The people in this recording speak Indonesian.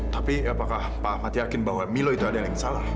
tapi apakah pak ahmad yakin bahwa milo itu adalah yang salah